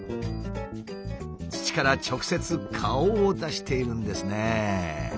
土から直接顔を出しているんですね。